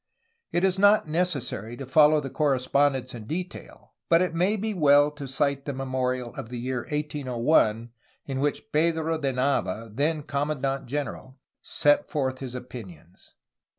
It is not necessary to follow the correspondence in detail, but it may be well to cite a memor al of the year 1801, in which Pedro de Nava, then commandant general, set forth his opinions.